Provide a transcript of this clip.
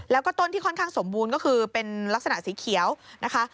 แล้วก็ต้นที่ค่อนข้างสมบูรณ์ก็คือเป็นลักษณะสีเขียวนะคะ